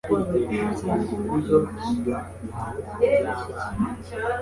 nuko nguma iruhande rw'igitanda cye.